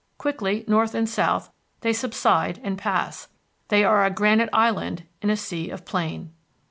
Quickly, north and south, they subside and pass. They are a granite island in a sea of plain.